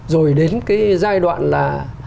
rồi đến cái giai đoạn là